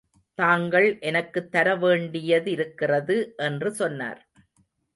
தாங்கள் எனக்குத் தர வேண்டியதிருக்கிறது என்று சொன்னார்.